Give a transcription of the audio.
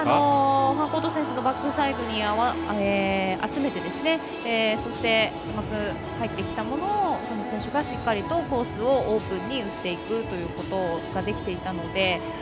ファンコート選手のバックサイドに集めてそして、返ってきたものを上地選手がしっかりコースをオープンに打っていくことができていたので。